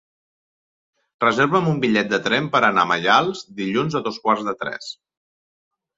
Reserva'm un bitllet de tren per anar a Maials dilluns a dos quarts de tres.